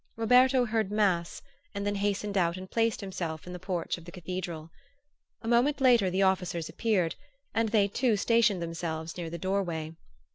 Roberto heard mass and then hastened out and placed himself in the porch of the Cathedral. A moment later the officers appeared, and they too stationed themselves near the doorway.